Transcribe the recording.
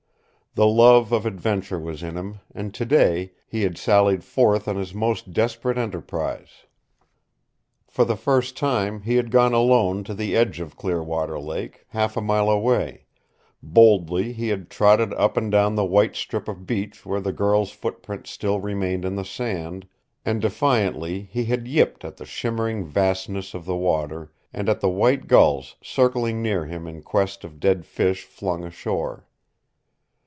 The love of adventure was in him, and today he had sallied forth on his most desperate enterprise. For the first time he had gone alone to the edge of Clearwater Lake, half a mile away; boldly he had trotted up and down the white strip of beach where the girl's footprints still remained in the sand, and defiantly he had yipped at the shimmering vastness of the water, and at the white gulls circling near him in quest of dead fish flung ashore.